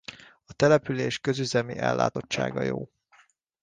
A település közüzemi ellátottsága jó.